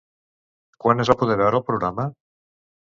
Quan es va poder veure el programa?